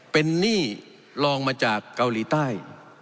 เป็นหนี้ลองมาจากเกาหลีใต้